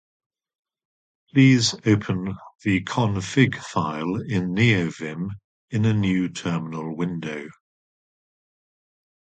please open the config file in neovim in a new terminal window